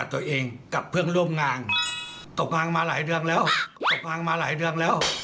ตกง่างมาหลายเรื่องแล้ว